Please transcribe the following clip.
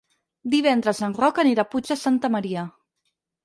Divendres en Roc anirà al Puig de Santa Maria.